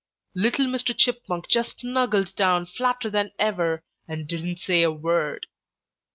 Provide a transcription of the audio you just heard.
"Little Mr. Chipmunk just snuggled down flatter than ever and didn't say a word.